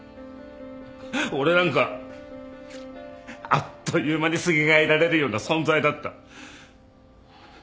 俺なんかあっという間にすげ替えられるような存在だった。